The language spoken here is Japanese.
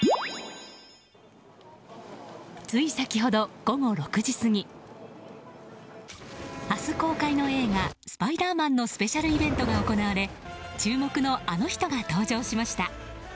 つい先ほど、午後６時過ぎ明日公開の映画「スパイダーマン」のスペシャルイベントが行われ注目のあの人が登場しました。